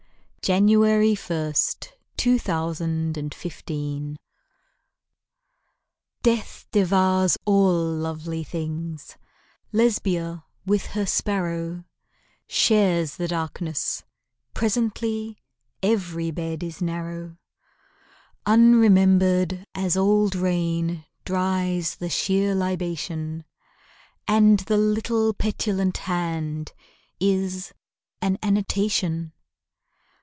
Edna St. Vincent Millay Passer Mortuus Est DEATH devours all lovely things: Lesbia with her sparrow Shares the darkness, presently Every bed is narrow. Unremembered as old rain Dries the sheer libation; And the little petulant hand Is an annotation.